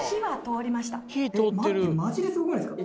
待ってマジですごくないですか。